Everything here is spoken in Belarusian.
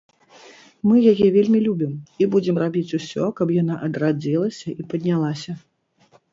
Мы яе вельмі любім і будзем рабіць усё, каб яна адрадзілася і паднялася.